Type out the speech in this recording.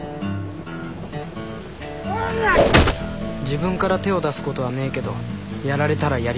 自分から手を出すことはねえけどやられたらやり返す。